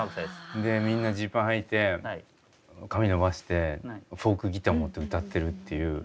みんなジーパンはいて髪伸ばしてフォークギター持って歌ってるっていう。